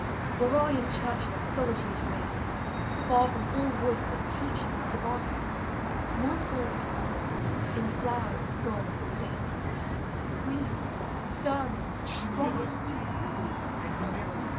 Were I in churchless solitudes remaining, Far from all voice of teachers and divines. My soul would find, in flowers of God's ordaining, Priests, sermons, shrines